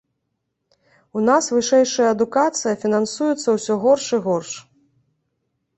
У нас вышэйшая адукацыя фінансуецца ўсё горш і горш.